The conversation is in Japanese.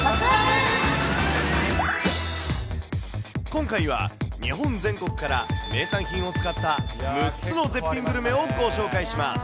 今回は、日本全国から名産品を使った６つの絶品グルメをご紹介します。